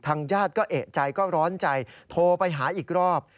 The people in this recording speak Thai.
ญาติก็เอกใจก็ร้อนใจโทรไปหาอีกรอบ